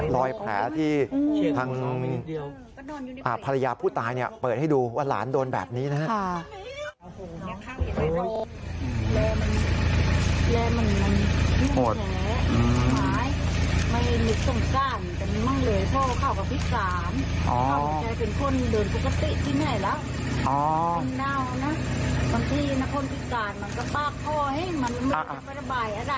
รอยแผลที่ทางภรรยาผู้ตายเปิดให้ดูว่าหลานโดนแบบนี้นะครับ